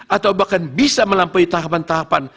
atau bahkan bisa melampaui tahapan tahapan